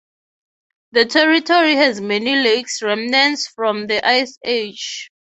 The territory has many lakes, remnants from the ice age.